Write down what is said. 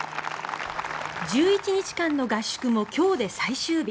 １１日間の合宿も今日で最終日。